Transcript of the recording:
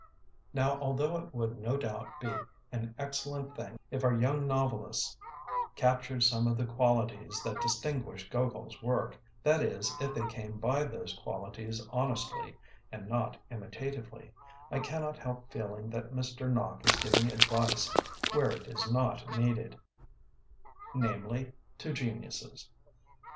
Now although it would no doubt be an excellent thing if our young novel ists captured some of the qualities that distinguish Gogol's work — ^that is, if they came by those qualities hon estly and not imitatively — I cannot help feeling that Mr. Nock is giving advice where it is not needed, namely, to geniuses.